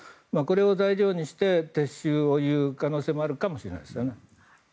これを材料にして撤収を言う可能性もあるかもしれないですよね。